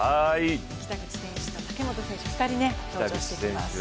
北口選手と武本選手と２人登場してきます。